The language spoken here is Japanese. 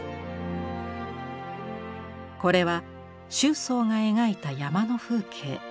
これは周桑が描いた山の風景。